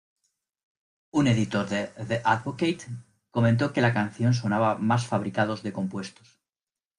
Un editor de The Advocate comentó que la canción sonaba más fabricados de compuestos.